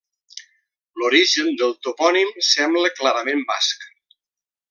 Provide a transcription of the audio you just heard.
L'origen del topònim sembla clarament basc.